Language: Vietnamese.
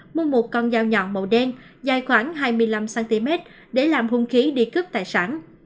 mua một con dao nhọn màu đen dài khoảng hai mươi năm cm để làm hung khí đi cướp tài sản